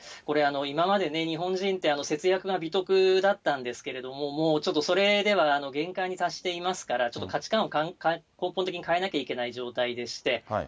これ、今まで日本人って節約が美徳だったんですけども、もうちょっとそれでは限界に達していますから、ちょっと価値観を根本的に変えなきゃいけない状態でして。